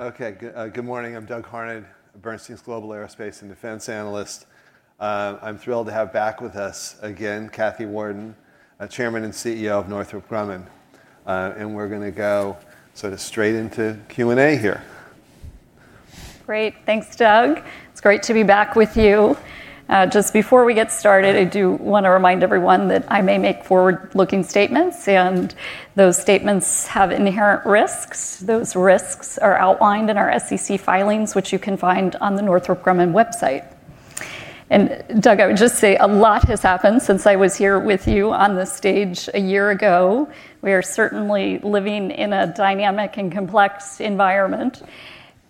Okay. Good morning. I'm Doug Harned, Bernstein's Global Aerospace & Defense analyst. I'm thrilled to have back with us again, Kathy Warden, Chairman and CEO of Northrop Grumman. We're going to go sort of straight into Q&A here. Great. Thanks, Doug. It's great to be back with you. Just before we get started, I do want to remind everyone that I may make forward-looking statements, and those statements have inherent risks. Those risks are outlined in our SEC filings, which you can find on the Northrop Grumman website. Doug, I would just say a lot has happened since I was here with you on this stage a year ago. We are certainly living in a dynamic and complex environment.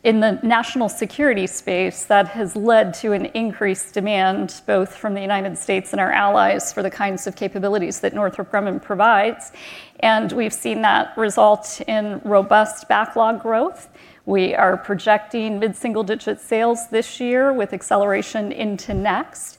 In the national security space, that has led to an increased demand, both from the United States and our allies, for the kinds of capabilities that Northrop Grumman provides. We've seen that result in robust backlog growth. We are projecting mid-single-digit sales this year, with acceleration into next.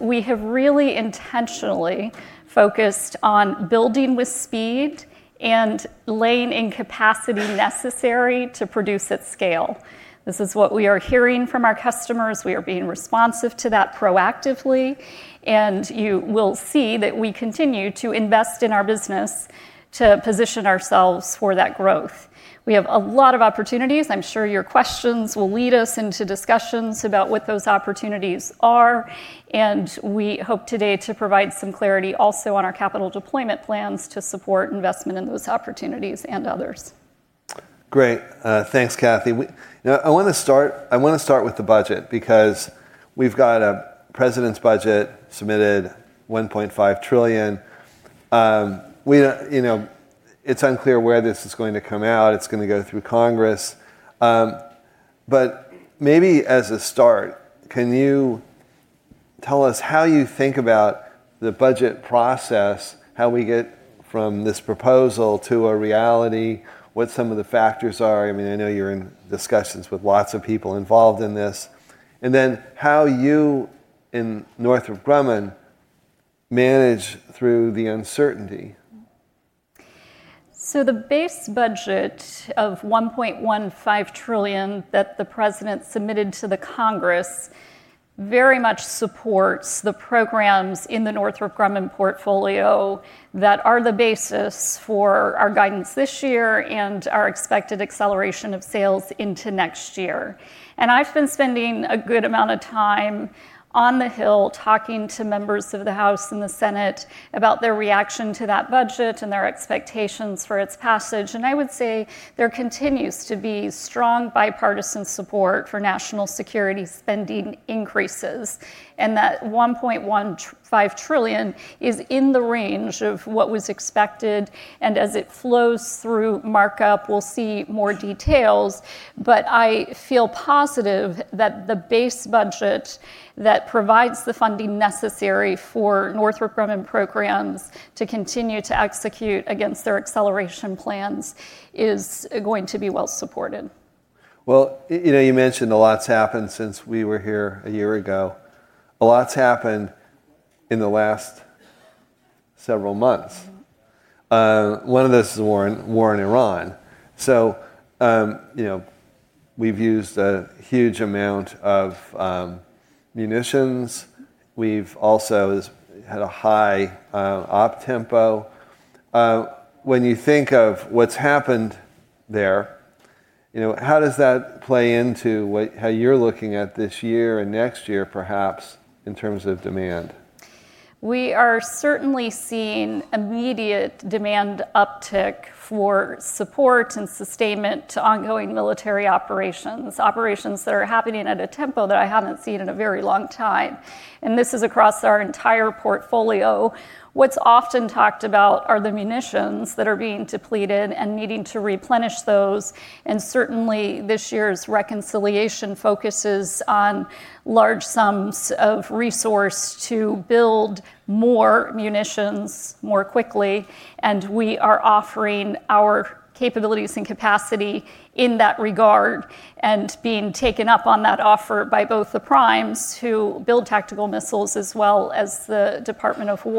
We have really intentionally focused on building with speed and laying in capacity necessary to produce at scale. This is what we are hearing from our customers. We are being responsive to that proactively. You will see that we continue to invest in our business to position ourselves for that growth. We have a lot of opportunities. I'm sure your questions will lead us into discussions about what those opportunities are. We hope today to provide some clarity also on our capital deployment plans to support investment in those opportunities and others. Great. Thanks, Kathy. I want to start with the budget, because we've got a president's budget submitted, $1.5 trillion. It's unclear where this is going to come out. It's going to go through Congress. Maybe as a start, can you tell us how you think about the budget process, how we get from this proposal to a reality, what some of the factors are? I know you're in discussions with lots of people involved in this. How you and Northrop Grumman manage through the uncertainty. The base budget of $1.15 trillion that the President submitted to the Congress very much supports the programs in the Northrop Grumman portfolio that are the basis for our guidance this year and our expected acceleration of sales into next year. I've been spending a good amount of time on the Hill talking to members of the House and the Senate about their reaction to that budget and their expectations for its passage, and I would say there continues to be strong bipartisan support for national security spending increases, and that $1.15 trillion is in the range of what was expected. As it flows through markup, we'll see more details, but I feel positive that the base budget that provides the funding necessary for Northrop Grumman programs to continue to execute against their acceleration plans is going to be well-supported. Well, you mentioned a lot's happened since we were here a year ago. A lot's happened in the last several months. One of those is the war in Iran. We've used a huge amount of munitions. We've also had a high op tempo. When you think of what's happened there, how does that play into how you're looking at this year and next year, perhaps, in terms of demand? We are certainly seeing immediate demand uptick for support and sustainment to ongoing military operations that are happening at a tempo that I haven't seen in a very long time. This is across our entire portfolio. What's often talked about are the munitions that are being depleted and needing to replenish those. Certainly, this year's reconciliation focuses on large sums of resource to build more munitions more quickly, and we are offering our capabilities and capacity in that regard, and being taken up on that offer by both the primes who build tactical missiles as well as the Department of Defense.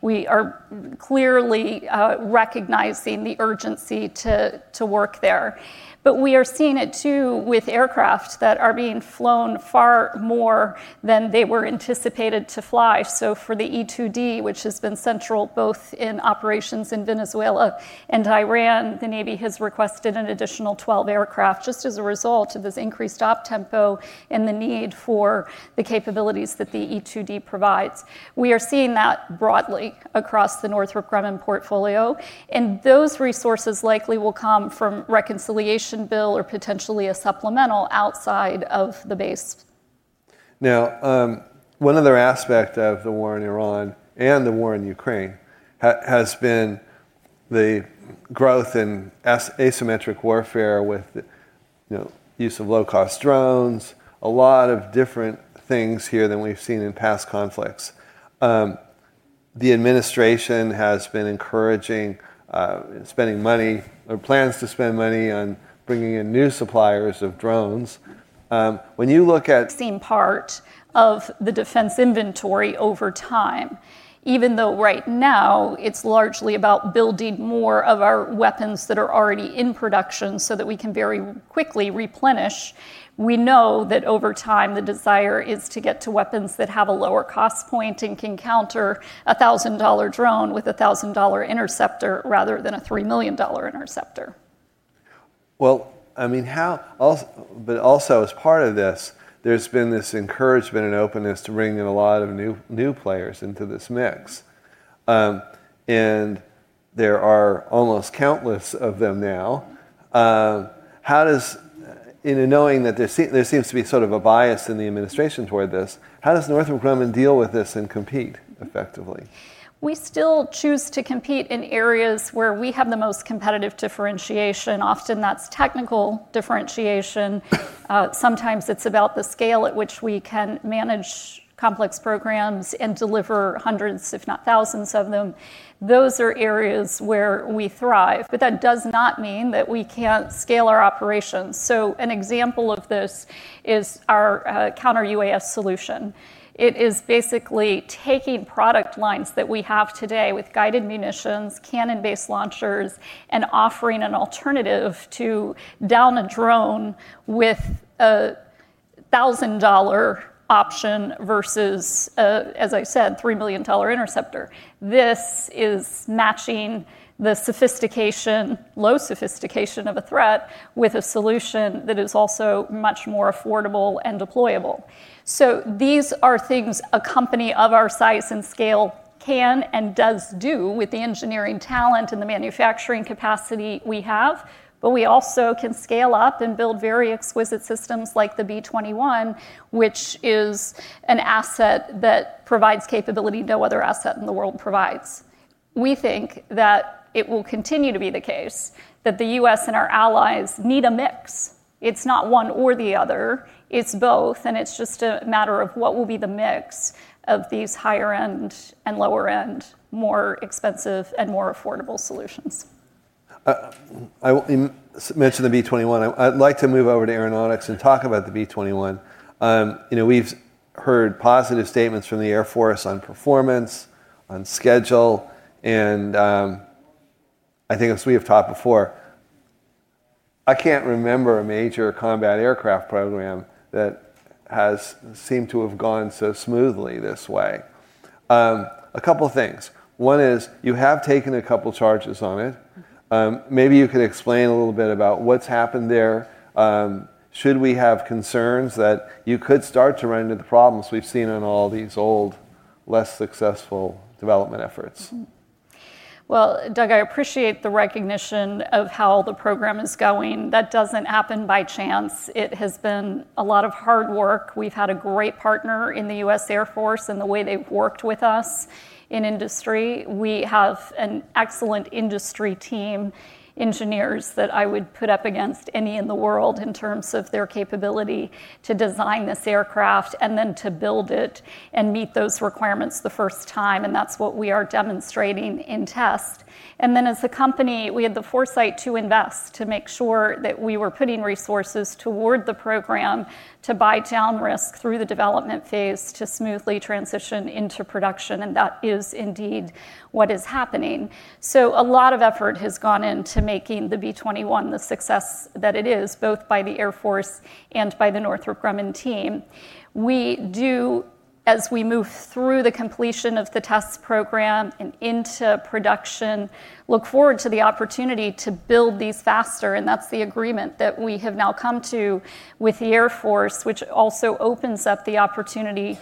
We are clearly recognizing the urgency to work there. We are seeing it too with aircraft that are being flown far more than they were anticipated to fly. For the E-2D, which has been central both in operations in Venezuela and Iran, the Navy has requested an additional 12 aircraft just as a result of this increased op tempo and the need for the capabilities that the E-2D provides. We are seeing that broadly across the Northrop Grumman portfolio, and those resources likely will come from reconciliation bill or potentially a supplemental outside of the base. One other aspect of the war in Iran and the war in Ukraine has been the growth in asymmetric warfare with use of low-cost drones. A lot of different things here than we've seen in past conflicts. The administration has been encouraging spending money or plans to spend money on bringing in new suppliers of drones. seen part of the defense inventory over time. Right now it's largely about building more of our weapons that are already in production so that we can very quickly replenish, we know that over time, the desire is to get to weapons that have a lower cost point and can counter a $1,000 drone with a $1,000 interceptor rather than a $3 million interceptor. Also as part of this, there's been this encouragement and openness to bring in a lot of new players into this mix. There are almost countless of them now. In knowing that there seems to be sort of a bias in the administration toward this, how does Northrop Grumman deal with this and compete effectively? We still choose to compete in areas where we have the most competitive differentiation. Often that's technical differentiation. Sometimes it's about the scale at which we can manage complex programs and deliver hundreds, if not thousands of them. Those are areas where we thrive, but that does not mean that we can't scale our operations. An example of this is our counter UAS solution. It is basically taking product lines that we have today with guided munitions, cannon-based launchers, and offering an alternative to down a drone with a $1,000 option versus, as I said, $3 million interceptor. This is matching the sophistication, low sophistication of a threat with a solution that is also much more affordable and deployable. These are things a company of our size and scale can and does do with the engineering talent and the manufacturing capacity we have, but we also can scale up and build very exquisite systems like the B-21, which is an asset that provides capability no other asset in the world provides. We think that it will continue to be the case that the U.S. and our allies need a mix. It's not one or the other, it's both, it's just a matter of what will be the mix of these higher-end and lower-end, more expensive and more affordable solutions. You mentioned the B-21. I'd like to move over to aeronautics and talk about the B-21. We've heard positive statements from the Air Force on performance, on schedule. I think as we have talked before, I can't remember a major combat aircraft program that has seemed to have gone so smoothly this way. A couple of things. One is you have taken a couple charges on it. Maybe you could explain a little bit about what's happened there. Should we have concerns that you could start to run into the problems we've seen on all these old, less successful development efforts? Well, Doug, I appreciate the recognition of how the program is going. That doesn't happen by chance. It has been a lot of hard work. We've had a great partner in the U.S. Air Force in the way they've worked with us in industry. We have an excellent industry team, engineers that I would put up against any in the world in terms of their capability to design this aircraft and then to build it and meet those requirements the first time, and that's what we are demonstrating in test. As a company, we had the foresight to invest, to make sure that we were putting resources toward the program to buy down risk through the development phase to smoothly transition into production, and that is indeed what is happening. A lot of effort has gone into making the B-21 the success that it is, both by the Air Force and by the Northrop Grumman team. We do, as we move through the completion of the test program and into production, look forward to the opportunity to build these faster, and that's the agreement that we have now come to with the Air Force, which also opens up the opportunity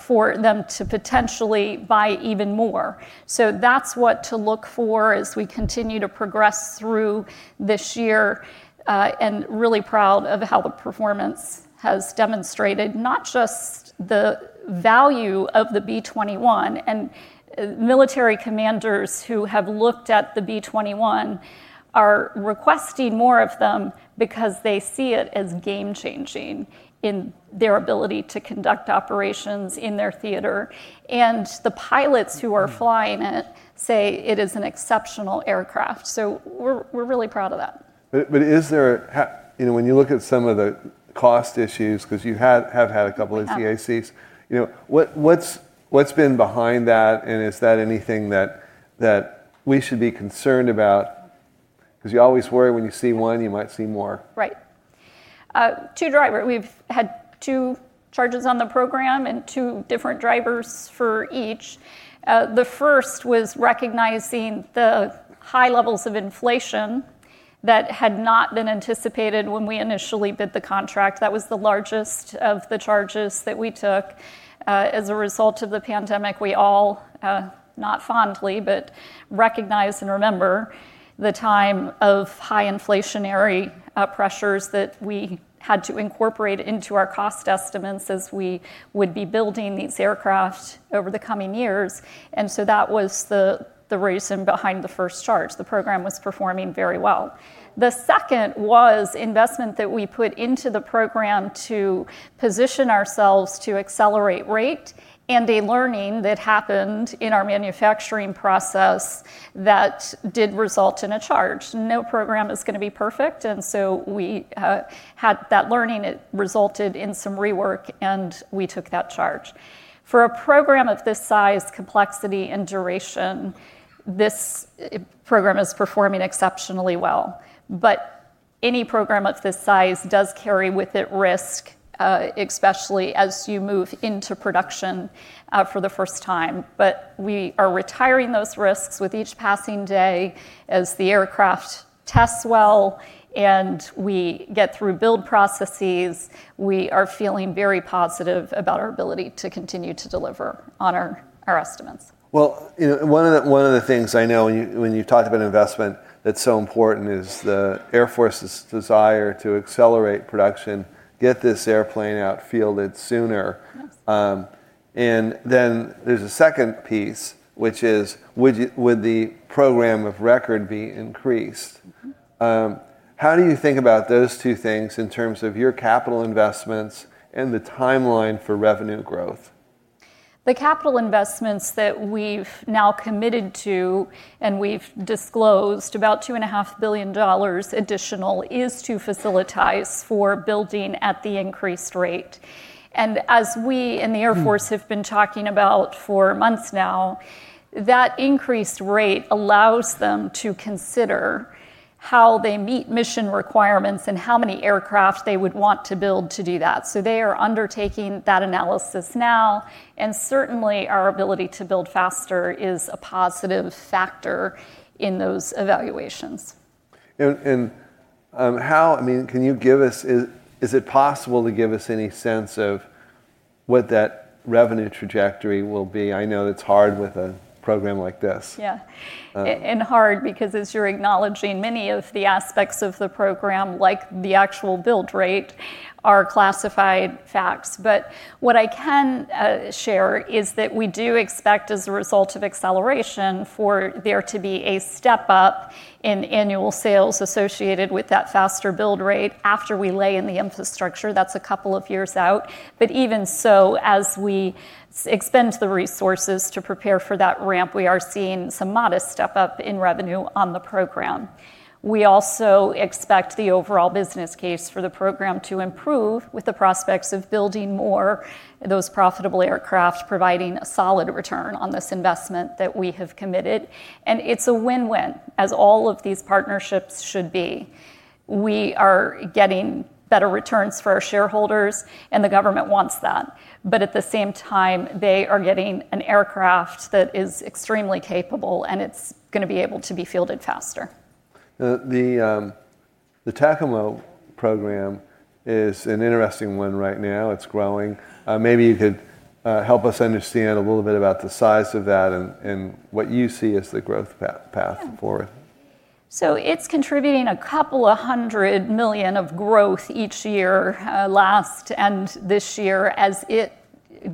for them to potentially buy even more. That's what to look for as we continue to progress through this year. Really proud of how the performance has demonstrated not just the value of the B-21. Military commanders who have looked at the B-21 are requesting more of them because they see it as game-changing in their ability to conduct operations in their theater. The pilots who are flying it say it is an exceptional aircraft. We're really proud of that. When you look at some of the cost issues, because you have had a couple of EACs. Yeah. What's been behind that, and is that anything that we should be concerned about? You always worry when you see one, you might see more. Right. We've had two charges on the program and two different drivers for each. The first was recognizing the high levels of inflation that had not been anticipated when we initially bid the contract. That was the largest of the charges that we took. As a result of the pandemic, we all, not fondly, but recognize and remember the time of high inflationary pressures that we had to incorporate into our cost estimates as we would be building these aircraft over the coming years. That was the reason behind the first charge. The program was performing very well. The second was investment that we put into the program to position ourselves to accelerate rate, and a learning that happened in our manufacturing process that did result in a charge. No program is going to be perfect, and so we had that learning. It resulted in some rework, and we took that charge. For a program of this size, complexity, and duration, this program is performing exceptionally well. Any program of this size does carry with it risk, especially as you move into production for the first time. We are retiring those risks with each passing day as the aircraft tests well and we get through build processes. We are feeling very positive about our ability to continue to deliver on our estimates. Well, one of the things I know, when you talk about investment, that's so important is the Air Force's desire to accelerate production, get this airplane out, field it sooner. Yes. There's a second piece, which is, would the program of record be increased? How do you think about those two things in terms of your capital investments and the timeline for revenue growth? The capital investments that we've now committed to, and we've disclosed, about $2.5 billion additional, is to facilities for building at the increased rate. As we and the Air Force have been talking about for months now, that increased rate allows them to consider how they meet mission requirements and how many aircraft they would want to build to do that. They are undertaking that analysis now, and certainly, our ability to build faster is a positive factor in those evaluations. Is it possible to give us any sense of what that revenue trajectory will be? I know it's hard with a program like this. Yeah. Hard because, as you're acknowledging, many of the aspects of the program, like the actual build rate, are classified facts. What I can share is that we do expect, as a result of acceleration, for there to be a step up in annual sales associated with that faster build rate after we lay in the infrastructure. That's a couple of years out. Even so, as we expend the resources to prepare for that ramp, we are seeing some modest step up in revenue on the program. We also expect the overall business case for the program to improve with the prospects of building more of those profitable aircraft, providing a solid return on this investment that we have committed. It's a win-win, as all of these partnerships should be. We are getting better returns for our shareholders, and the government wants that. At the same time, they are getting an aircraft that is extremely capable, and it's going to be able to be fielded faster. The TACAMO program is an interesting one right now. It's growing. Maybe you could help us understand a little bit about the size of that and what you see as the growth path forward. Yeah. It's contributing a couple of hundred million of growth each year, last and this year, as it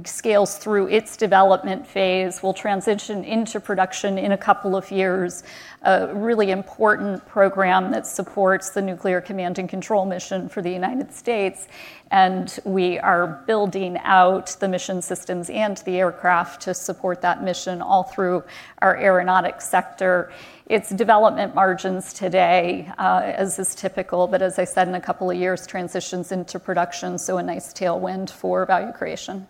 scales through its development phase. We'll transition into production in a couple of years. A really important program that supports the nuclear command and control mission for the United States, and we are building out the mission systems and the aircraft to support that mission all through our aeronautics sector. Its development margins today, as is typical, but as I said, in a couple of years, transitions into production, so a nice tailwind for value creation.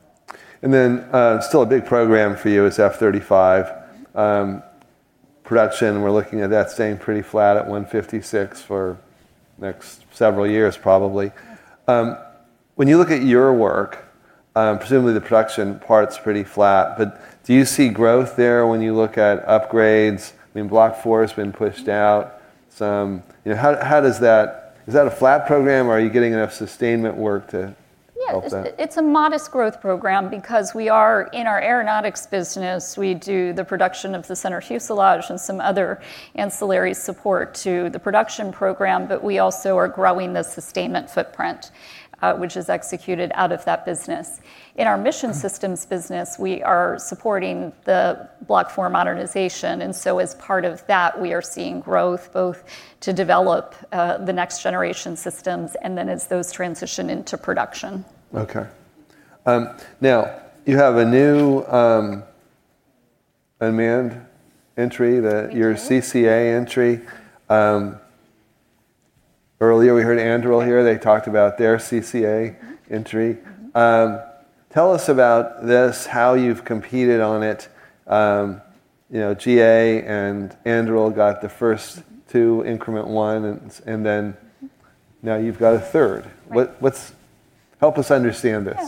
Still a big program for you is F-35 production. We're looking at that staying pretty flat at 156 for next several years, probably. When you look at your work, presumably the production part's pretty flat. Do you see growth there when you look at upgrades? Block 4 has been pushed out some. Is that a flat program, or are you getting enough sustainment work to help that? Yeah. It's a modest growth program because we are in our aeronautics business. We do the production of the center fuselage and some other ancillary support to the production program. We also are growing the sustainment footprint, which is executed out of that business. In our mission systems business, we are supporting the Block 4 modernization, and so as part of that, we are seeing growth both to develop the next generation systems and then as those transition into production. Okay. Now, you have a new unmanned entry, the- your CCA entry. Earlier, we heard Anduril here. They talked about their CCA entry. Tell us about this, how you've competed on it. GA and Anduril got the first two, increment one, and then now you've got a third. Right. Help us understand this.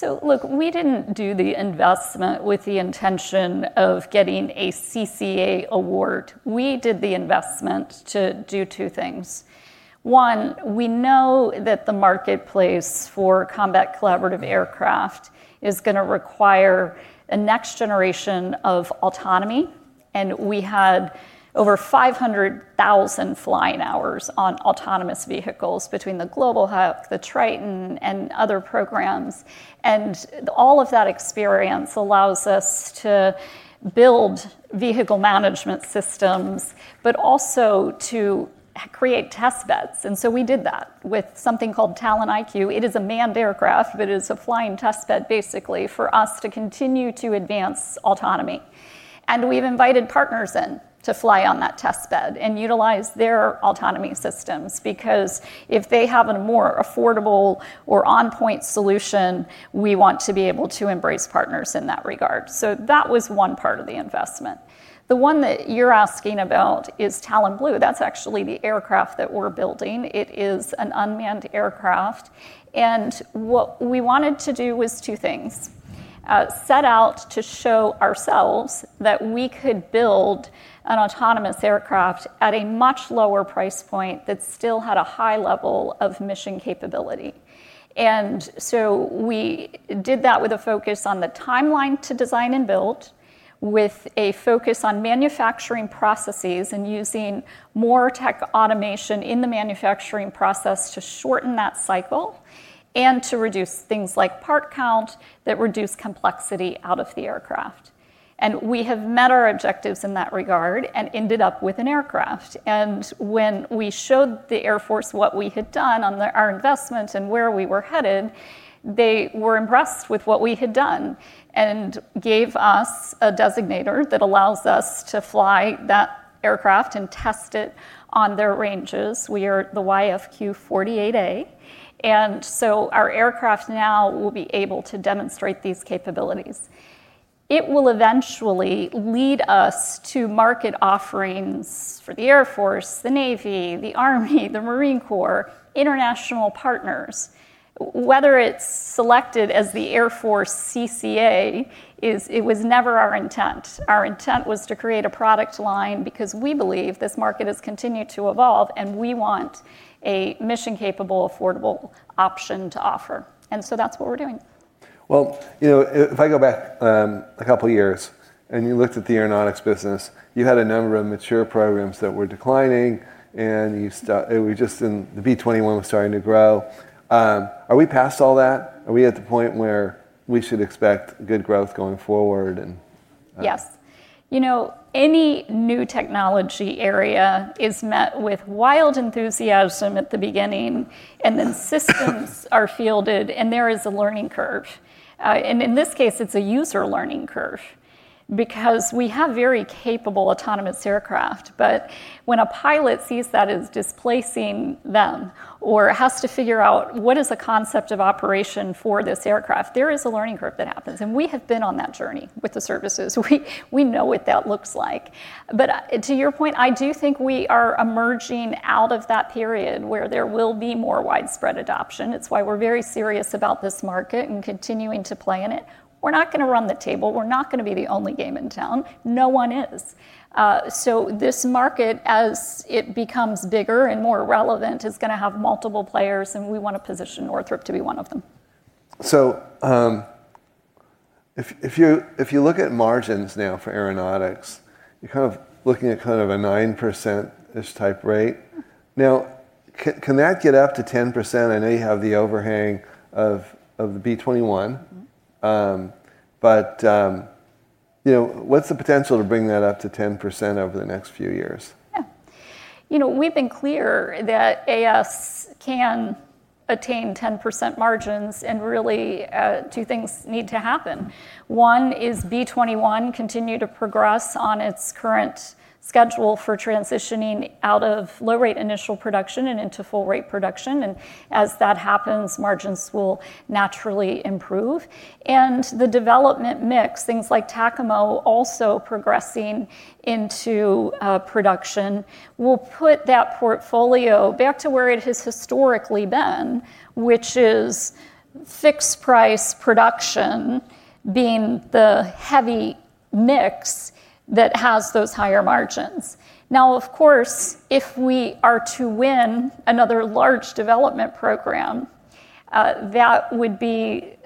Yeah. Look, we didn't do the investment with the intention of getting a CCA award. We did the investment to do two things. One, we know that the marketplace for combat collaborative aircraft is going to require a next generation of autonomy, and we had over 500,000 flying hours on autonomous vehicles between the Global Hawk, the Triton, and other programs, and all of that experience allows us to build vehicle management systems, but also to create test beds. We did that with something called Talon IQ. It is a manned aircraft, but is a flying test bed, basically, for us to continue to advance autonomy. We've invited partners in to fly on that test bed and utilize their autonomy systems, because if they have a more affordable or on-point solution, we want to be able to embrace partners in that regard. That was one part of the investment. The one that you're asking about is Talon Blue. That's actually the aircraft that we're building. It is an unmanned aircraft. What we wanted to do was two things. We set out to show ourselves that we could build an autonomous aircraft at a much lower price point that still had a high level of mission capability. We did that with a focus on the timeline to design and build, with a focus on manufacturing processes, and using more tech automation in the manufacturing process to shorten that cycle, and to reduce things like part count that reduce complexity out of the aircraft. We have met our objectives in that regard, and ended up with an aircraft. When we showed the Air Force what we had done on our investment and where we were headed, they were impressed with what we had done and gave us a designator that allows us to fly that aircraft and test it on their ranges. We are the YFQ-48A, our aircraft now will be able to demonstrate these capabilities. It will eventually lead us to market offerings for the Air Force, the Navy, the Army, the Marine Corps, international partners. Whether it's selected as the Air Force CCA, it was never our intent. Our intent was to create a product line because we believe this market has continued to evolve, and we want a mission-capable, affordable option to offer. That's what we're doing. Well, if I go back a couple of years and you looked at the aeronautics business, you had a number of mature programs that were declining, and the B-21 was starting to grow. Are we past all that? Are we at the point where we should expect good growth going forward? Yes. Any new technology area is met with wild enthusiasm at the beginning, and then systems are fielded, and there is a learning curve. In this case, it's a user learning curve because we have very capable autonomous aircraft, but when a pilot sees that as displacing them or has to figure out what is the concept of operation for this aircraft, there is a learning curve that happens, and we have been on that journey with the services. We know what that looks like. To your point, I do think we are emerging out of that period where there will be more widespread adoption. It's why we're very serious about this market and continuing to play in it. We're not going to run the table. We're not going to be the only game in town. No one is. This market, as it becomes bigger and more relevant, is going to have multiple players, and we want to position Northrop to be one of them. If you look at margins now for aeronautics, you're looking at a kind of a 9%-ish type rate. Can that get up to 10%? I know you have the overhang of the B-21. What's the potential to bring that up to 10% over the next few years? Yeah. We've been clear that AS can attain 10% margins, and really, two things need to happen. One is B-21 continue to progress on its current schedule for transitioning out of low-rate initial production and into full rate production. As that happens, margins will naturally improve. The development mix, things like TACAMO also progressing into production will put that portfolio back to where it has historically been, which is fixed price production being the heavy mix that has those higher margins. Of course, if we are to win another large development program, that would be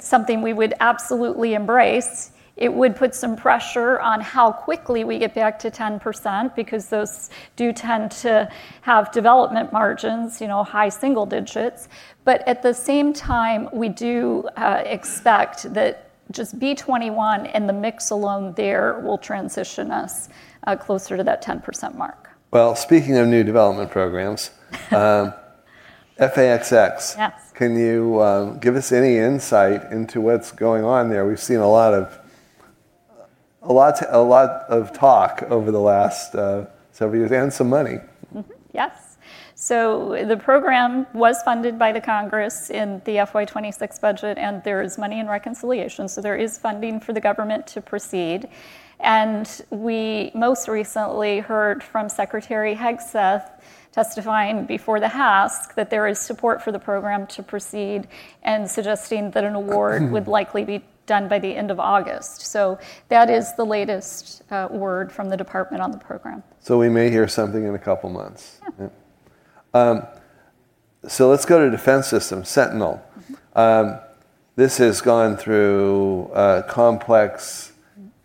something we would absolutely embrace. It would put some pressure on how quickly we get back to 10%, because those do tend to have development margins, high single digits. At the same time, we do expect that just B-21 and the mix alone there will transition us closer to that 10% mark. Well, speaking of new development programs. F/A-XX. Yes. Can you give us any insight into what's going on there? We've seen a lot of talk over the last several years, and some money. Yes. The program was funded by the Congress in the FY 2026 budget, and there is money in reconciliation, so there is funding for the government to proceed. We most recently heard from Secretary Frank Kendall testifying before the House that there is support for the program to proceed and suggesting that an award would likely be done by the end of August. That is the latest word from the department on the program. We may hear something in a couple of months. Yeah. Let's go to defense systems, Sentinel. This has gone through a complex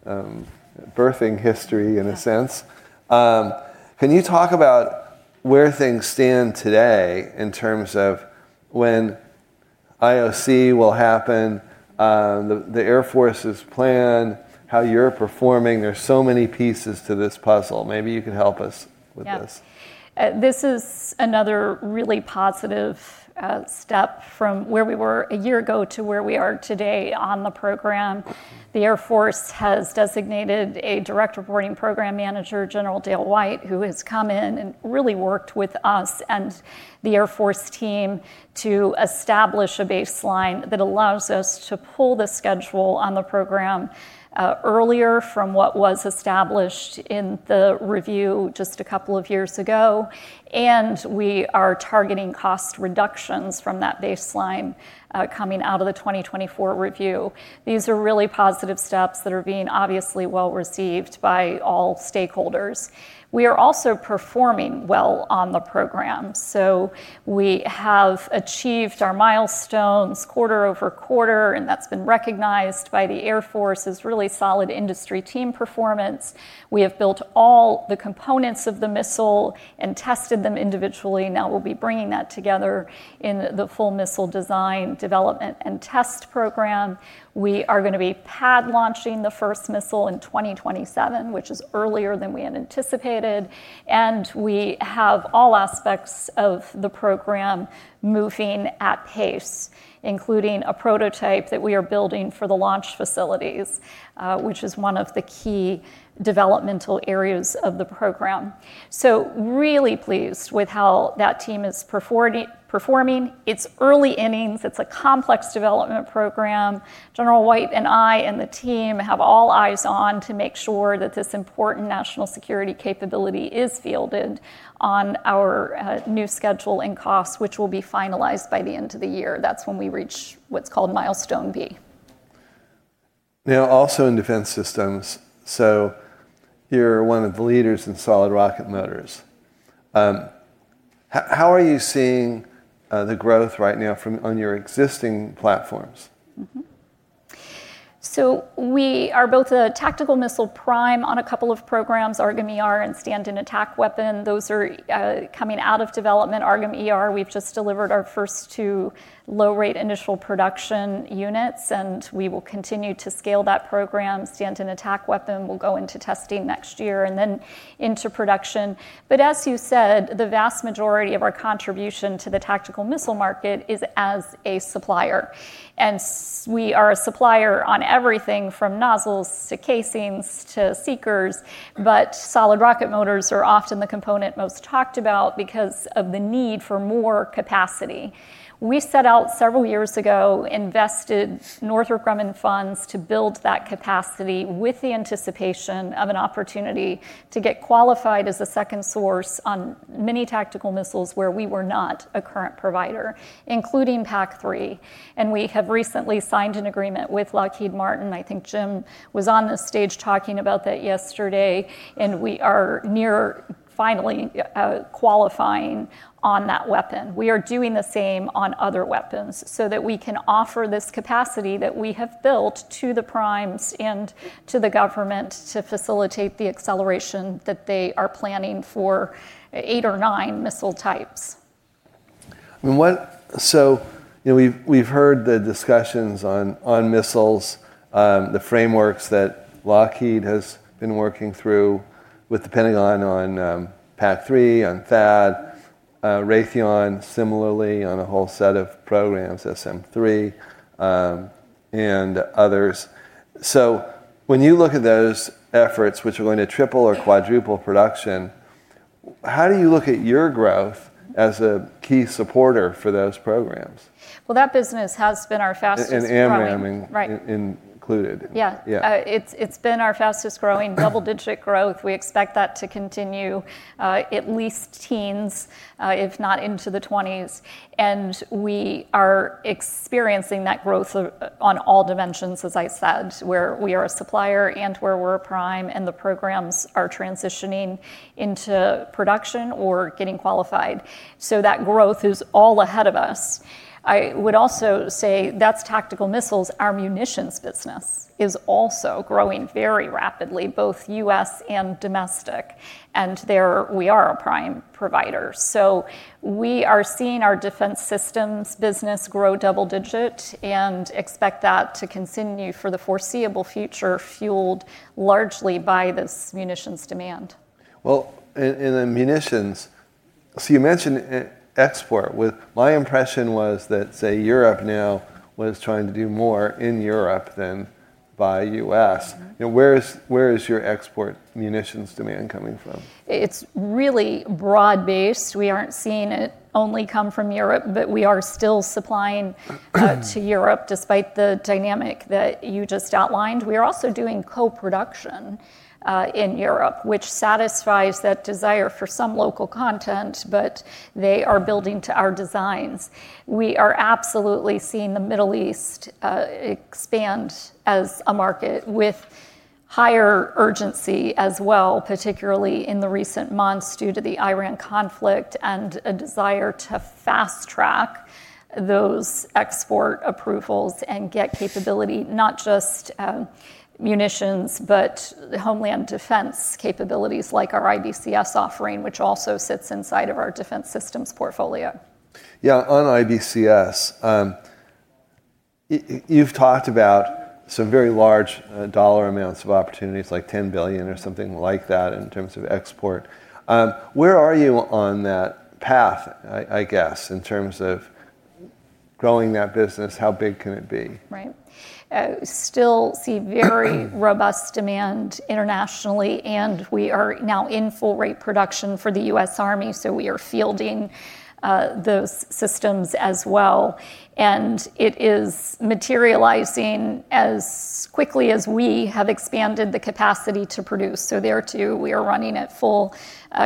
birthing history in a sense. Yeah. Can you talk about where things stand today in terms of when IOC will happen, the Air Force's plan, how you're performing? There's so many pieces to this puzzle. Maybe you can help us with this. Yeah. This is another really positive step from where we were a year ago to where we are today on the program. The Air Force has designated a direct reporting program manager, General Dale White, who has come in and really worked with us and the Air Force team to establish a baseline that allows us to pull the schedule on the program earlier from what was established in the review just a couple of years ago. We are targeting cost reductions from that baseline coming out of the 2024 review. These are really positive steps that are being obviously well-received by all stakeholders. We are also performing well on the program. We have achieved our milestones quarter-over-quarter, and that's been recognized by the Air Force as really solid industry team performance. We have built all the components of the missile and tested them individually. We'll be bringing that together in the full missile design, development, and test program. We are going to be pad launching the first missile in 2027, which is earlier than we had anticipated. We have all aspects of the program moving at pace, including a prototype that we are building for the launch facilities, which is one of the key developmental areas of the program. Really pleased with how that team is performing. It's early innings. It's a complex development program. General White and I and the team have all eyes on to make sure that this important national security capability is fielded on our new schedule and costs, which will be finalized by the end of the year. That's when we reach what's called Milestone B. Now, also in defense systems. You're one of the leaders in solid rocket motors. How are you seeing the growth right now on your existing platforms? We are both a tactical missile prime on a couple of programs, AARGM-ER and Stand-in Attack Weapon. Those are coming out of development. AARGM-ER, we've just delivered our first two low-rate initial production units, and we will continue to scale that program. Stand-in Attack Weapon will go into testing next year and then into production. As you said, the vast majority of our contribution to the tactical missile market is as a supplier. We are a supplier on everything from nozzles to casings to seekers, but solid rocket motors are often the component most talked about because of the need for more capacity. We set out several years ago, invested Northrop Grumman funds to build that capacity with the anticipation of an opportunity to get qualified as a second source on many tactical missiles where we were not a current provider, including PAC-3. We have recently signed an agreement with Lockheed Martin. I think Jim was on this stage talking about that yesterday, and we are near finally qualifying on that weapon. We are doing the same on other weapons so that we can offer this capacity that we have built to the primes and to the government to facilitate the acceleration that they are planning for eight or nine missile types. We've heard the discussions on missiles, the frameworks that Lockheed has been working through with The Pentagon on PAC-3, on THAAD. Raytheon similarly on a whole set of programs, SM-3 and others. When you look at those efforts, which are going to triple or quadruple production, how do you look at your growth as a key supporter for those programs? Well, that business has been our fastest growing. AMRAAM included. Yeah. Yeah. It's been our fastest growing, double-digit growth. We expect that to continue at least teens, if not into the 20s. We are experiencing that growth on all dimensions, as I said, where we are a supplier and where we're a prime, and the programs are transitioning into production or getting qualified. That growth is all ahead of us. I would also say that's tactical missiles. Our munitions business is also growing very rapidly, both U.S. and domestic. There we are a prime provider. We are seeing our defense systems business grow double digit and expect that to continue for the foreseeable future, fueled largely by this munitions demand. In the munitions, you mentioned export. My impression was that, say, Europe now was trying to do more in Europe than by U.S. Where is your export munitions demand coming from? It's really broad-based. We aren't seeing it only come from Europe, but we are still supplying to Europe despite the dynamic that you just outlined. We are also doing co-production in Europe, which satisfies that desire for some local content, but they are building to our designs. We are absolutely seeing the Middle East expand as a market with higher urgency as well, particularly in the recent months due to the Iran conflict and a desire to fast-track those export approvals and get capability, not just munitions, but homeland defense capabilities like our IBCS offering, which also sits inside of our defense systems portfolio. Yeah. On IBCS, you've talked about some very large dollar amounts of opportunities, like $10 billion or something like that, in terms of export. Where are you on that path, I guess, in terms of growing that business? How big can it be? Right. Still see very robust demand internationally. We are now in full rate production for the U.S. Army, so we are fielding those systems as well. It is materializing as quickly as we have expanded the capacity to produce. There, too, we are running at full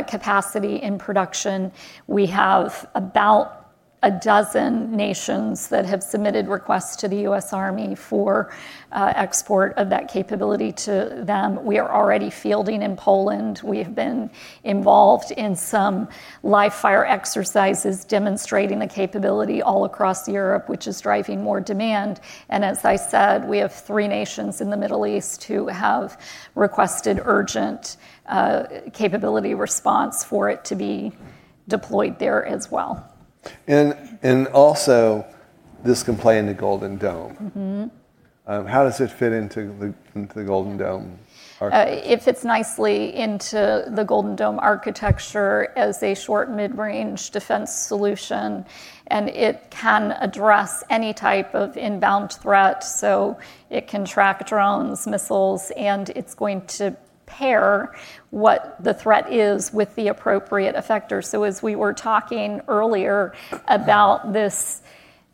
capacity in production. We have about 12 nations that have submitted requests to the U.S. Army for export of that capability to them. We are already fielding in Poland. We have been involved in some live-fire exercises demonstrating the capability all across Europe, which is driving more demand. As I said, we have three nations in the Middle East who have requested urgent capability response for it to be deployed there as well. Also, this can play into Golden Dome. How does it fit into the Golden Dome architecture? It fits nicely into the Golden Dome architecture as a short-mid-range defense solution, and it can address any type of inbound threat. It can track drones, missiles, and it's going to pair what the threat is with the appropriate effector. As we were talking earlier about this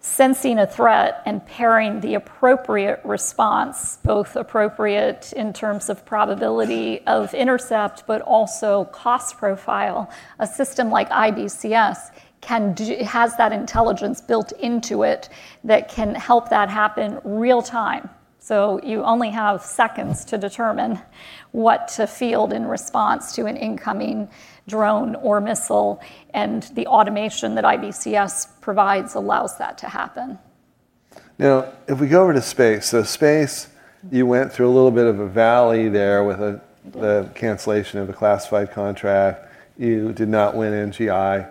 sensing a threat and pairing the appropriate response, both appropriate in terms of probability of intercept, but also cost profile. A system like IBCS has that intelligence built into it that can help that happen real-time. You only have seconds to determine what to field in response to an incoming drone or missile, and the automation that IBCS provides allows that to happen. Now, if we go over to space. Space, you went through a little bit of a valley there. Yes cancellation of the classified contract. You did not win NGI.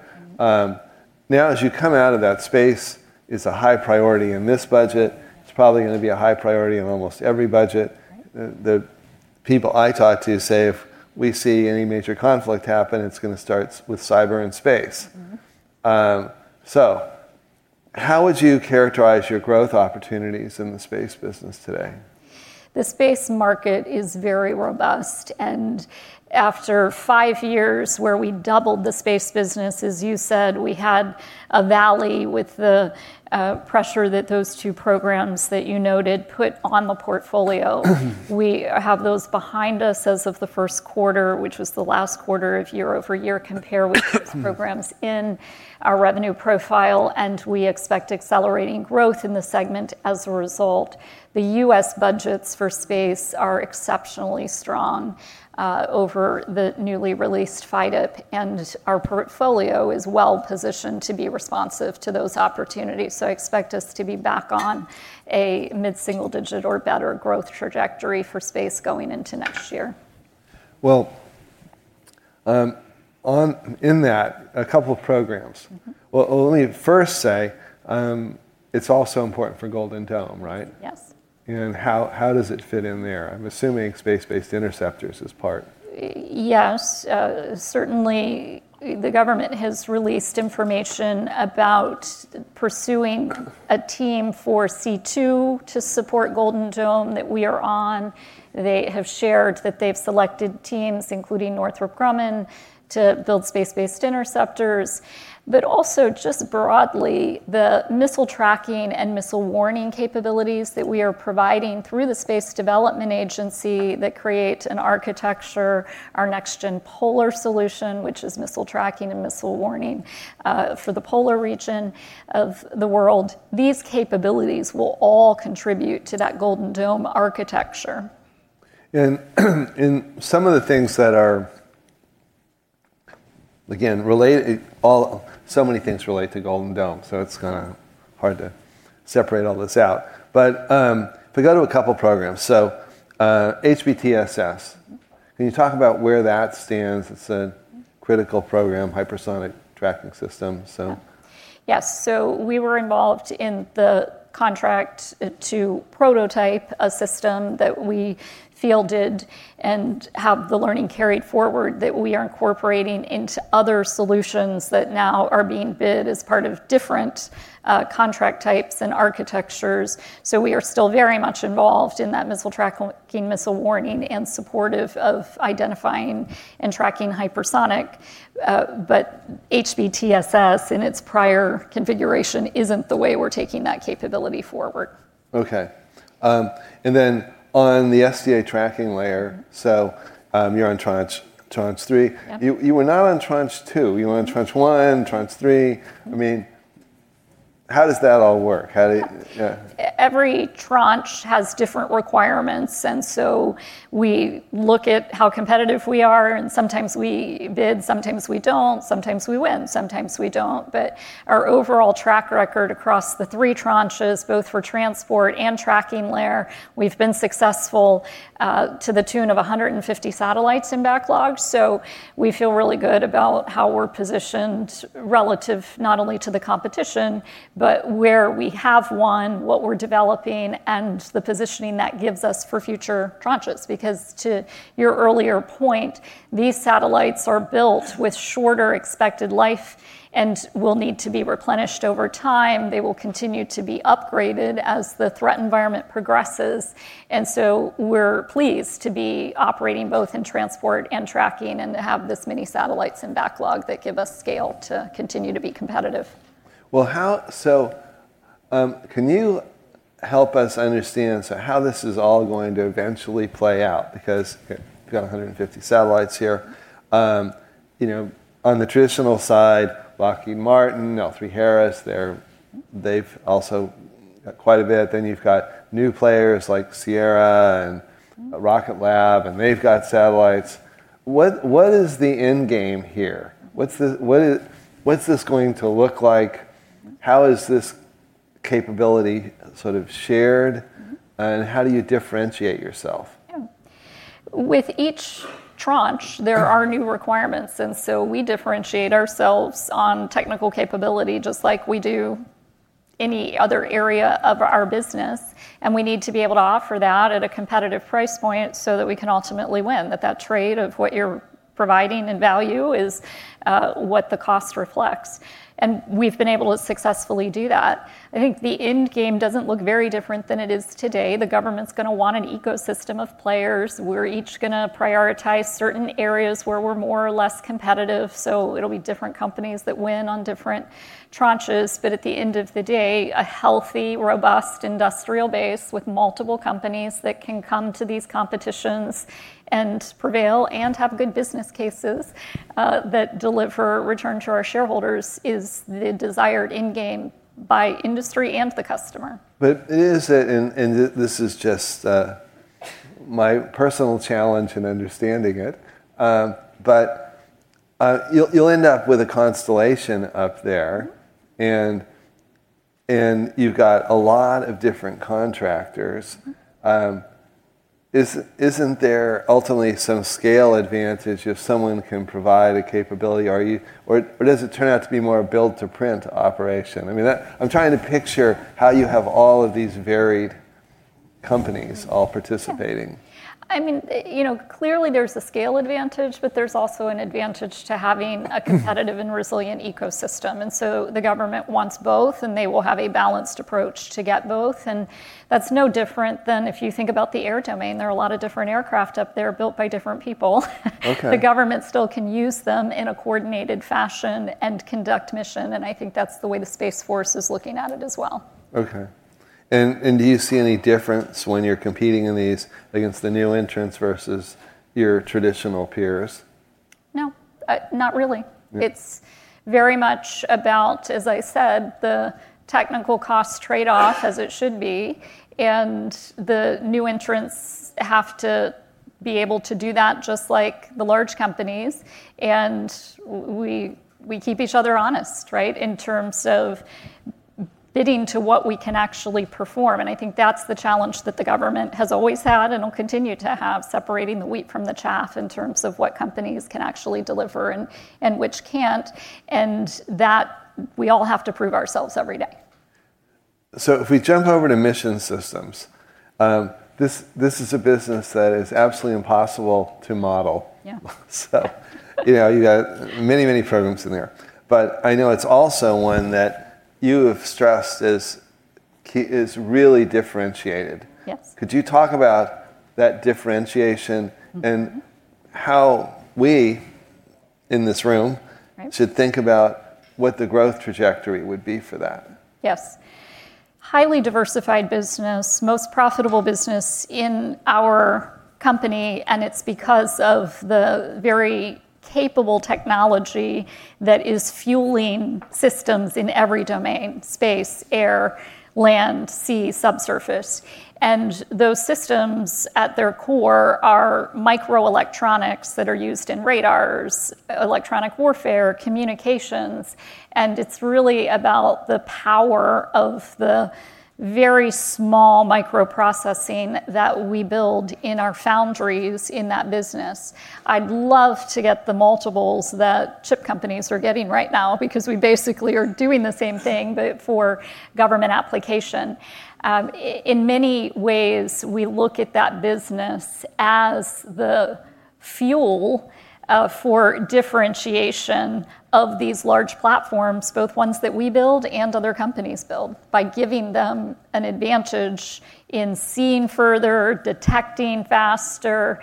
As you come out of that space, it's a high priority in this budget. It's probably going to be a high priority in almost every budget. Right. The people I talk to say if we see any major conflict happen, it's going to start with cyber and space. How would you characterize your growth opportunities in the space business today? The space market is very robust, and after five years where we doubled the space business, as you said, we had a valley with the pressure that those two programs that you noted put on the portfolio. We have those behind us as of the first quarter, which was the last quarter of year-over-year compare with those programs in our revenue profile, and we expect accelerating growth in the segment as a result. The U.S. budgets for space are exceptionally strong over the newly released FYDP, and our portfolio is well-positioned to be responsive to those opportunities. Expect us to be back on a mid-single digit or better growth trajectory for space going into next year. Well, in that, a couple of programs. Well, let me first say, it's also important for Golden Dome, right? Yes. How does it fit in there? I'm assuming space-based interceptors is part. Yes. Certainly, the government has released information about pursuing a team for C2 to support Golden Dome that we are on. They have shared that they've selected teams, including Northrop Grumman, to build space-based interceptors. Also, just broadly, the missile tracking and missile warning capabilities that we are providing through the Space Development Agency that create an architecture, our Next-Gen OPIR Polar solution, which is missile tracking and missile warning for the polar region of the world. These capabilities will all contribute to that Golden Dome architecture. Some of the things that are, again, so many things relate to Golden Dome, so it's kind of hard to separate all this out. If we go to a couple of programs, so HBTSS. Can you talk about where that stands? It's a critical program, hypersonic tracking system, so. Yes, we were involved in the contract to prototype a system that we fielded and have the learning carried forward that we are incorporating into other solutions that now are being bid as part of different contract types and architectures. We are still very much involved in that missile tracking, missile warning, and supportive of identifying and tracking hypersonic. HBTSS in its prior configuration isn't the way we're taking that capability forward. Okay. On the SDA tracking layer, you're on Tranche 3. Yeah. You were not on Tranche 2. You were on Tranche 1, Tranche 3. How does that all work? Yeah. Every Tranche has different requirements. We look at how competitive we are, and sometimes we bid, sometimes we don't, sometimes we win, sometimes we don't. Our overall track record across the three Tranches, both for transport and tracking layer, we've been successful to the tune of 150 satellites in backlog. We feel really good about how we're positioned relative not only to the competition, but where we have one, what we're developing, and the positioning that gives us for future Tranches. Because to your earlier point, these satellites are built with shorter expected life and will need to be replenished over time. They will continue to be upgraded as the threat environment progresses. We're pleased to be operating both in transport and tracking and to have this many satellites in backlog that give us scale to continue to be competitive. Can you help us understand, so how this is all going to eventually play out? You've got 150 satellites here. On the traditional side, Lockheed Martin, L3Harris, they've also got quite a bit. You've got new players like Sierra and Rocket Lab, and they've got satellites. What is the end game here? What's this going to look like? How is this capability sort of shared? How do you differentiate yourself? Yeah. With each tranche, there are new requirements, and so we differentiate ourselves on technical capability just like we do any other area of our business, and we need to be able to offer that at a competitive price point so that we can ultimately win. That trade of what you're providing in value is what the cost reflects, and we've been able to successfully do that. I think the end game doesn't look very different than it is today. The government's going to want an ecosystem of players. We're each going to prioritize certain areas where we're more or less competitive, so it'll be different companies that win on different tranches. At the end of the day, a healthy, robust industrial base with multiple companies that can come to these competitions and prevail and have good business cases, that deliver return to our shareholders is the desired end game by industry and the customer. It is, and this is just my personal challenge in understanding it, but you'll end up with a constellation up there. You've got a lot of different contractors. Isn't there ultimately some scale advantage if someone can provide a capability? Or does it turn out to be more a build-to-print operation? I'm trying to picture how you have all of these varied companies all participating. Clearly there's a scale advantage, but there's also an advantage to having a competitive and resilient ecosystem. The government wants both, and they will have a balanced approach to get both, and that's no different than if you think about the air domain. There are a lot of different aircraft up there built by different people. Okay. The government still can use them in a coordinated fashion and conduct mission, and I think that's the way the Space Force is looking at it as well. Okay. Do you see any difference when you're competing in these against the new entrants versus your traditional peers? No, not really. Yeah. It's very much about, as I said, the technical cost trade-off as it should be, and the new entrants have to be able to do that just like the large companies, and we keep each other honest, right, in terms of bidding to what we can actually perform, and I think that's the challenge that the government has always had and will continue to have, separating the wheat from the chaff in terms of what companies can actually deliver and which can't, and that we all have to prove ourselves every day. If we jump over to Mission Systems, this is a business that is absolutely impossible to model. Yeah. You've got many, many programs in there. I know it's also one that you have stressed is really differentiated. Yes. Could you talk about that differentiation? how we in this room Right should think about what the growth trajectory would be for that? Yes. Highly diversified business, most profitable business in our company, and it's because of the very capable technology that is fueling systems in every domain: space, air, land, sea, subsurface. Those systems at their core are microelectronics that are used in radars, electronic warfare, communications, and it's really about the power of the very small micro processing that we build in our foundries in that business. I'd love to get the multiples that chip companies are getting right now because we basically are doing the same thing, but for government application. In many ways, we look at that business as the fuel for differentiation of these large platforms, both ones that we build and other companies build, by giving them an advantage in seeing further, detecting faster,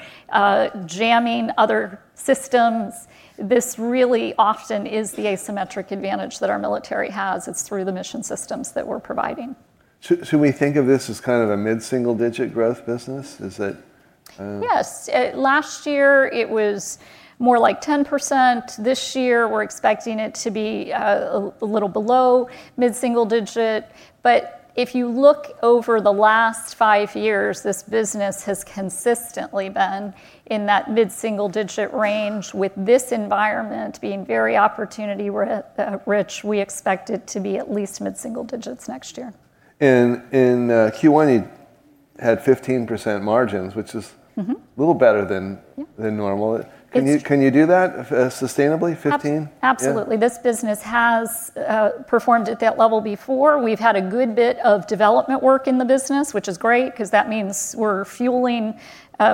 jamming other systems. This really often is the asymmetric advantage that our military has. It's through the mission systems that we're providing. Should we think of this as kind of a mid-single digit growth business? Is it? Yes. Last year it was more like 10%. This year we're expecting it to be a little below mid-single digit. If you look over the last five years, this business has consistently been in that mid-single digit range. With this environment being very opportunity rich, we expect it to be at least mid-single digits next year. In Q1, you had 15% margins, which is. a little better than- Yeah than normal. It's- Can you do that sustainably, 15? Absolutely. Yeah. This business has performed at that level before. We've had a good bit of development work in the business, which is great because that means we're fueling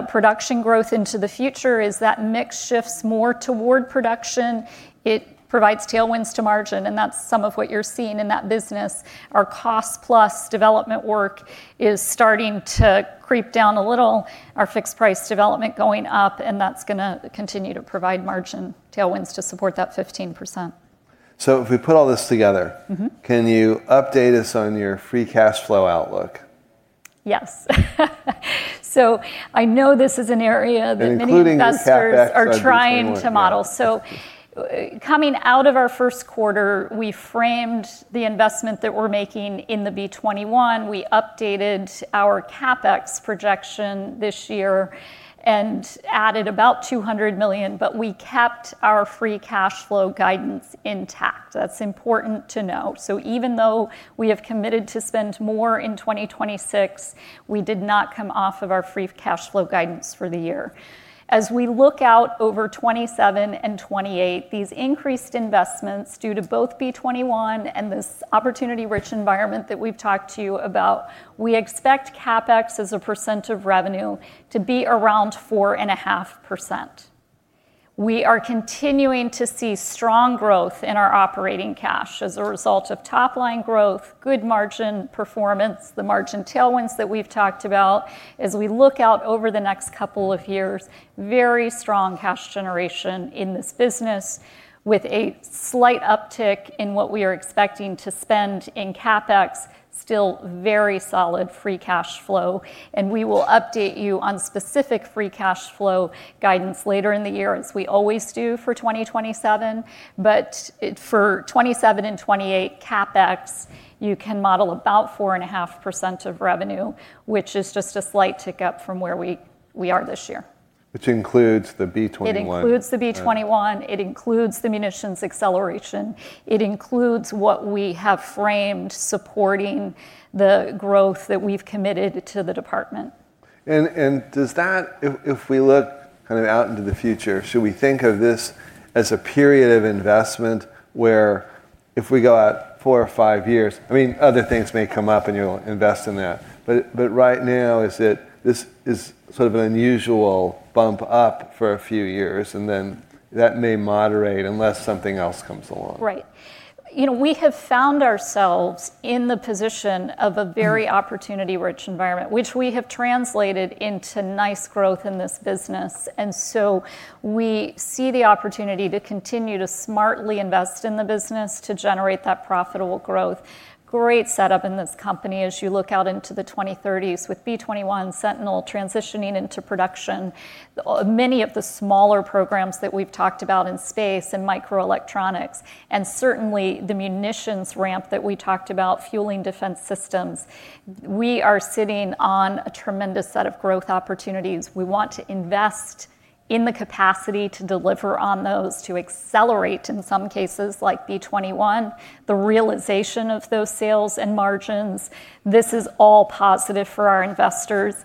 production growth into the future. As that mix shifts more toward production, it provides tailwinds to margin, and that's some of what you're seeing in that business. Our cost-plus development work is starting to creep down a little. Our fixed price development going up, and that's going to continue to provide margin tailwinds to support that 15%. If we put all this together. Can you update us on your free cash flow outlook? Yes. I know this is an area that many investors. Including your CapEx on B-21, yeah. Are trying to model. Coming out of our first quarter, we framed the investment that we're making in the B-21. We updated our CapEx projection this year and added about $200 million, but we kept our free cash flow guidance intact. That's important to know. Even though we have committed to spend more in 2026, we did not come off of our free cash flow guidance for the year. As we look out over 2027 and 2028, these increased investments, due to both B-21 and this opportunity-rich environment that we've talked to you about, we expect CapEx as a percent of revenue to be around 4.5%. We are continuing to see strong growth in our operating cash as a result of top-line growth, good margin performance, the margin tailwinds that we've talked about. As we look out over the next couple of years, very strong cash generation in this business with a slight uptick in what we are expecting to spend in CapEx. Still very solid free cash flow. We will update you on specific free cash flow guidance later in the year, as we always do for 2027. For 2027 and 2028 CapEx, you can model about 4.5% of revenue, which is just a slight tick up from where we are this year. Which includes the B-21. It includes the B-21. Yeah. It includes the munitions acceleration. It includes what we have framed supporting the growth that we've committed to the department. Does that, if we look out into the future, should we think of this as a period of investment where if we go out four or five years, other things may come up and you'll invest in that. Right now, this is sort of an unusual bump up for a few years, and then that may moderate unless something else comes along. Right. We have found ourselves in the position of a very opportunity-rich environment, which we have translated into nice growth in this business. We see the opportunity to continue to smartly invest in the business to generate that profitable growth. Great setup in this company as you look out into the 2030s with B-21 Sentinel transitioning into production. Many of the smaller programs that we've talked about in space and microelectronics, the munitions ramp that we talked about fueling defense systems. We are sitting on a tremendous set of growth opportunities. We want to invest in the capacity to deliver on those, to accelerate, in some cases like B-21, the realization of those sales and margins. This is all positive for our investors;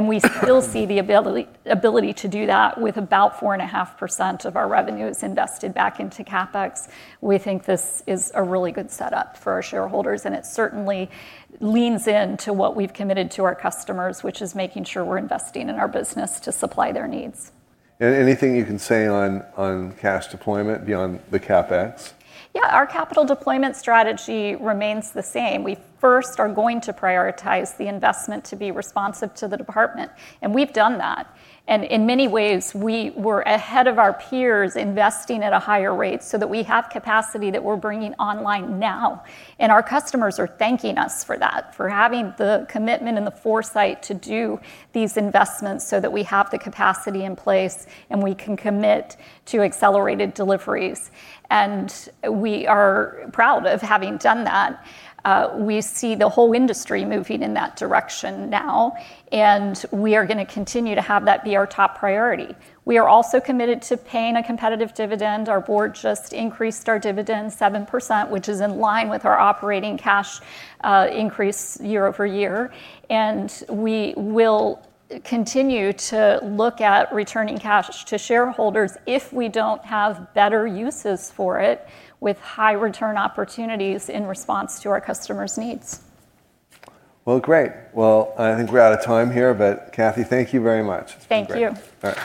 we still see the ability to do that with about 4.5% of our revenues invested back into CapEx. We think this is a really good setup for our shareholders, and it certainly leans into what we've committed to our customers, which is making sure we're investing in our business to supply their needs. Anything you can say on cash deployment beyond the CapEx? Yeah, our capital deployment strategy remains the same. We first are going to prioritize the investment to be responsive to the department, and we've done that. In many ways, we were ahead of our peers investing at a higher rate so that we have capacity that we're bringing online now. Our customers are thanking us for that, for having the commitment and the foresight to do these investments so that we have the capacity in place, and we can commit to accelerated deliveries. We are proud of having done that. We see the whole industry moving in that direction now, and we are going to continue to have that be our top priority. We are also committed to paying a competitive dividend. Our board just increased our dividend 7%, which is in line with our operating cash increase year-over-year. We will continue to look at returning cash to shareholders if we don't have better uses for it with high return opportunities in response to our customers' needs. Well, great. Well, I think we're out of time here, but Kathy, thank you very much. It's been great. Thank you.